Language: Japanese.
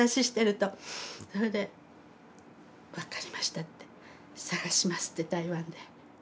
それで分かりましたって探しますって台湾で。